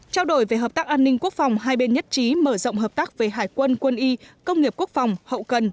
trao đổi về hợp tác an ninh quốc phòng hai bên nhất trí mở rộng hợp tác về hải quân quân y công nghiệp quốc phòng hậu cần